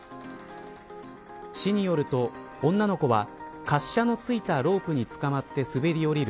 市によると、女の子は滑車の付いたロープにつかまって滑り下りる